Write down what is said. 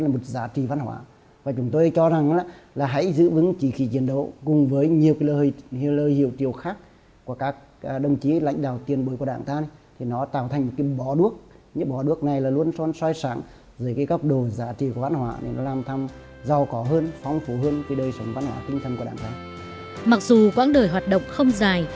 mặc dù quãng đời hoạt động không dài